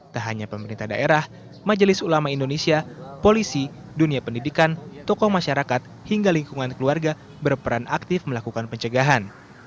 tak hanya pemerintah daerah majelis ulama indonesia polisi dunia pendidikan tokoh masyarakat hingga lingkungan keluarga berperan aktif melakukan pencegahan